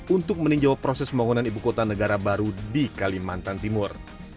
untuk meninjau proses pembangunan ibu kota negara baru di kalimantan timur